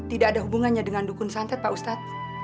tidak ada hubungannya dengan dukun santet pak ustadz